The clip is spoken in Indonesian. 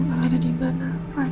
kalau ada dimana